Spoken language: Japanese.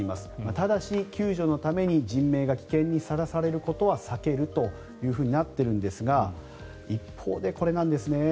ただし、救助のために人命が危険にさらされることは避けるというふうになっているんですが一方で、これなんですね。